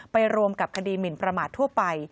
รวมกับคดีหมินประมาททั่วไป